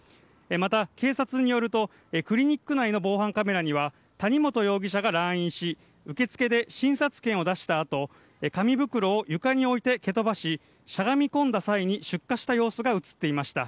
また、警察によるとクリニック内の防犯カメラには谷本容疑者が来院し受付で診察券を出した後紙袋を床に置いて蹴飛ばししゃがみ込んだ際に出火した様子が映っていました。